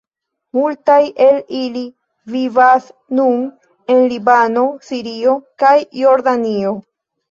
Multaj el ili vivas nun en Libano, Sirio kaj Jordanio.